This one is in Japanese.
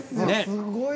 すごい